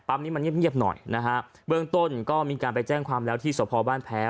นี้มันเงียบเงียบหน่อยนะฮะเบื้องต้นก็มีการไปแจ้งความแล้วที่สภบ้านแพ้